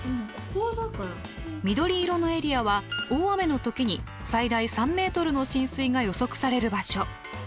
緑色のエリアは大雨の時に最大３ｍの浸水が予測される場所。